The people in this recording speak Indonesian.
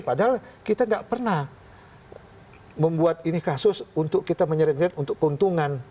padahal kita tidak pernah membuat ini kasus untuk kita menyering jaring untuk keuntungan